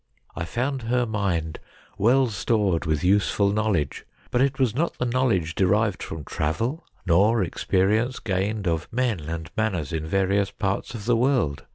I found her mind well stored with useful knowledge, but it was not the knowledge derived from travel, nor experience gained of men and manners in various parts of the world.